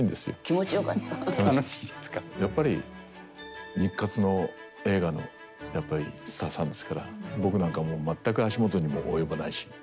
やっぱり日活の映画のやっぱりスターさんですから僕なんかもう全く足元にも及ばないし。